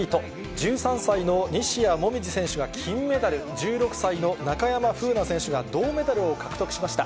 １３歳の西矢椛選手が金メダル、１６歳の中山楓奈選手が銅メダルを獲得しました。